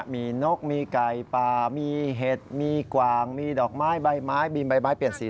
มีนกมีไก่ปลามีเห็ดมีกวางมีดอกไม้ใบเปลี่ยนใบเปลี่ยนสี